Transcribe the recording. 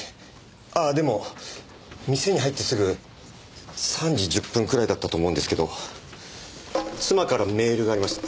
あっでも店に入ってすぐ３時１０分くらいだったと思うんですけど妻からメールがありました。